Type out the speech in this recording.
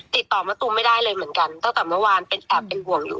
มะตูมไม่ได้เลยเหมือนกันตั้งแต่เมื่อวานเป็นแอบเป็นห่วงอยู่